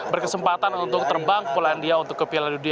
berkesempatan untuk terbang ke pulau andia untuk ke piala lidia u dua puluh